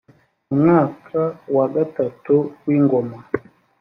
mu mwaka wa gatatu w ingoma